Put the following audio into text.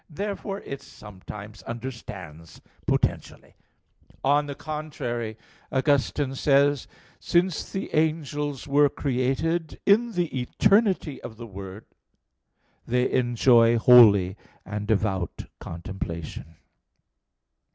Therefore it sometimes understands potentially. On the contrary, Augustine says (Gen. ad lit. ii): "Since the angels were created, in the eternity of the Word, they enjoy holy and devout contemplation."